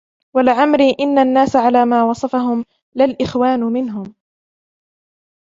وَلَعَمْرِي إنَّ النَّاسَ عَلَى مَا وَصَفَهُمْ ، لَا الْإِخْوَانُ مِنْهُمْ